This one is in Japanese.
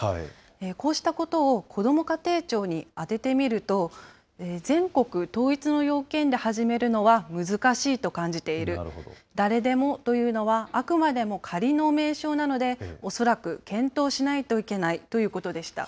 こうしたことをこども家庭庁にあててみると、全国統一の要件で始めるのは難しいと感じている、誰でもというのは、あくまでも仮の名称なので、恐らく検討しないといけないということでした。